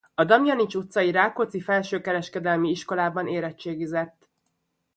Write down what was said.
A Damjanich utcai Rákóczi Felsőkereskedelmi Iskolában érettségizett.